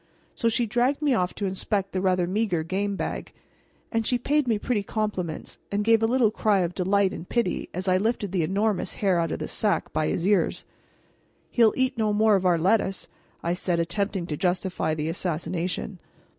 So she dragged me off to inspect the rather meager game bag, and she paid me pretty compliments, and gave a little cry of delight and pity as I lifted the enormous hare out of the sack by his ears. "He'll eat no more of our lettuce," I said attempting to justify the assassination.